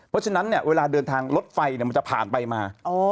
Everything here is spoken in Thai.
เพราะฉะนั้นเวลาเดินทางรถไฟมันจะผ่านไปมา